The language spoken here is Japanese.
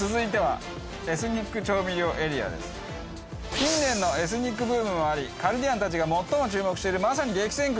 さあ続いては近年のエスニックブームもありカルディアンたちが最も注目しているまさに激戦区。